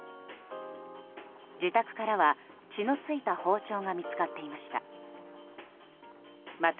自宅からは血の付いた包丁が見つかっていました。